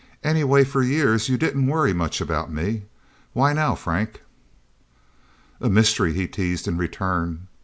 Anyway, for years you didn't worry much about me. Why now, Frank?" "A mystery," he teased in return.